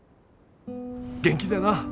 元気でな。